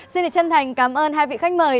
xin được chân thành cảm ơn hai vị khách mời